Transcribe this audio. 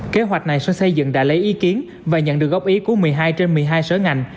kế hoạch này sở xây dựng đã lấy ý kiến và nhận được góp ý của một mươi hai trên một mươi hai sở ngành